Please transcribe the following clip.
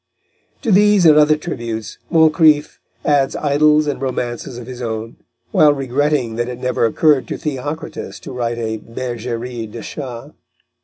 To these and other tributes Moncrif adds idyls and romances of his own, while regretting that it never occurred to Theocritus to write a bergerie de chats.